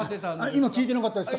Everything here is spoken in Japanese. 今聞いてなかったですか？